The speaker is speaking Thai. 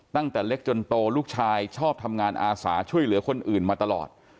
ตั้งแต่เล็กจนโตลูกชายชอบทำงานอาสาช่วยเหลือคนอื่นมาตลอด